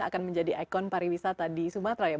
tidak akan menjadi ikon pariwisata di sumatera ya bu